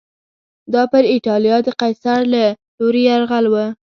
دا پر اېټالیا د قیصر له لوري یرغل و